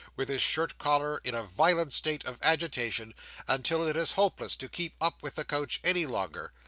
with his shirt collar in a violent state of agitation, until it is hopeless to attempt to keep up with the coach any longer.